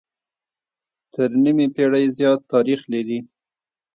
تر نيمې پېړۍ زيات تاريخ لري